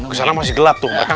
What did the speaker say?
itu masih gelap tuh nggak berani